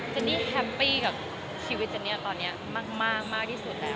เนนี่แฮปปี้กับชีวิตเจนเนี่ยตอนนี้มากที่สุดแล้ว